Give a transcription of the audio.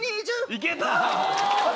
いけた。